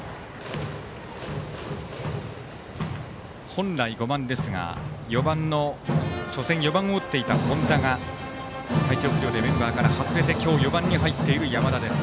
本来５番ですが初戦４番を打っていた本田が体調不良でメンバーから外れて今日４番に入っている山田です。